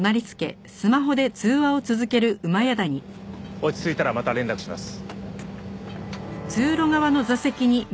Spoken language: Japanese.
落ち着いたらまた連絡します。